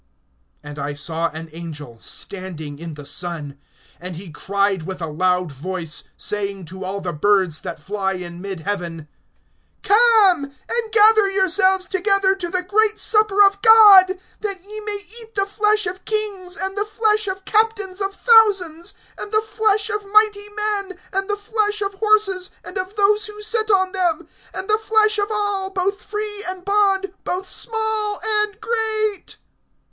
(17)And I saw an angel standing in the sun. And he cried with a loud voice, saying to all the birds that fly in mid heaven: Come, and gather yourselves together to the great supper of God; (18)that ye may eat the flesh of kings, and the flesh of captains of thousands, and the flesh of mighty men, and the flesh of horses and of those who sit on them, and the flesh of all, both free and bond, both small and great.